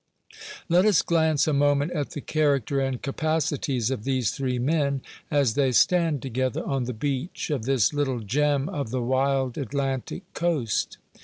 Let us glance a moment at the character and capacities of these three men, as they stand together on the beach of this little gem of the wild Atlantic coast.